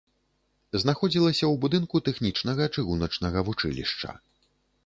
Знаходзілася ў будынку тэхнічнага чыгуначнага вучылішча.